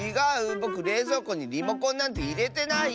ぼくれいぞうこにリモコンなんていれてない！